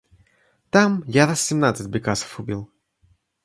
Там я раз семнадцать бекасов убил.